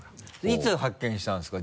いつ発見したんですか？